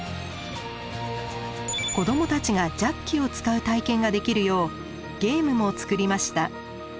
子どもたちがジャッキを使う体験ができるようゲームも作りました。